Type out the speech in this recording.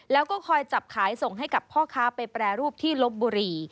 แล้วก็คอยจับขายส่งให้กับพ่อค้าไปแปรรูปที่ลบบุรี